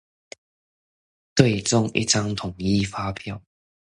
對中一張統一發票